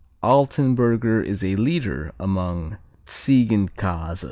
Altenburger is a leader among Ziegenkäse.